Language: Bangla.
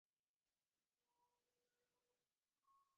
ইউনিভার্সসমূহের মধ্যবর্তী অঞ্চল।